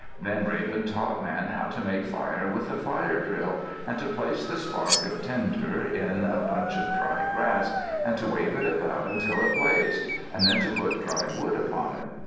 Then Raven taught Man how to make fire with the fire drill, and to place the spark of tinder in a bunch of dry grass and to wave it about until it blazed, and then to put dry wood upon it.